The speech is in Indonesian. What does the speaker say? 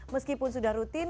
meskipun sudah rutin